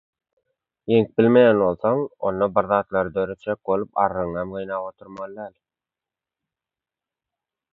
ýeňip bilmeýän bolsaň, onda bir zatlar döretjek bolup arrygyňam gynap oturmaly däl.